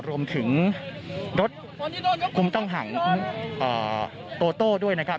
รวมถึงรถคุมต้องหังโตโต้ด้วยนะครับ